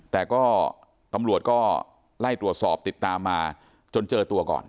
แต่ก็ตำรวจก็ไล่ตรวจสอบติดตามมาจนเจอตัวก่อน